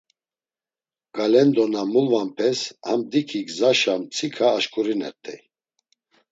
Galendo na mulvanpes ham diki gzaşa mtsika aşǩurinert̆ey.